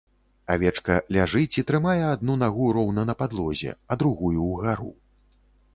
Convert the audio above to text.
Авечка ляжыць і трымае адну нагу роўна на падлозе, а другую ўгару.